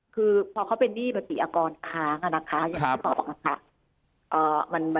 คือพอเขาเป็นหนี้ปฏิอากรค้างนะคะยังไม่รอบนะคะ